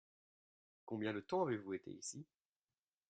Combien de temps avez-vous été ici ?